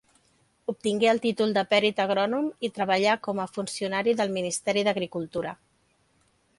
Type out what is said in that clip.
Obtingué el títol de perit agrònom i treballà com a funcionari del Ministeri d'Agricultura.